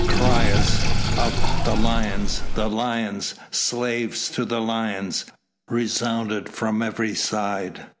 Cries of "The lions! the lions! Slaves to the lions!" resounded from every side.